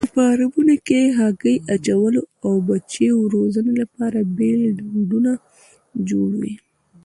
په فارمونو کې د هګۍ اچولو او بچیو روزنې لپاره بېل ډنډونه جوړوي.